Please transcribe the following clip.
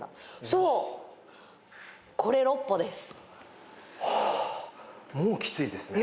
そう、これ六歩です。